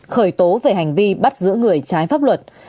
khởi tố về hành vi bắt giữ người trái pháp luật